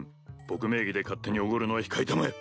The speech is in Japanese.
僕名義で勝手におごるのは控えたまえ！